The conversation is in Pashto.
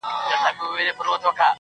چي ياد پاته وي، ياد د نازولي زمانې~